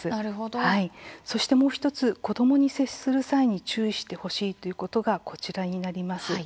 そしてもう１つ子どもに接する際に注意してほしいということがこちらになります。